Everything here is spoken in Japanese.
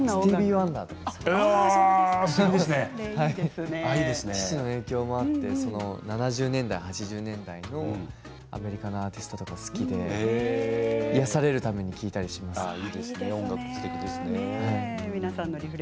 スティービー・ワンダーとか父の影響もあって７０年代、８０年代のアメリカのアーティストとか好きで癒やされるために聴いたりします。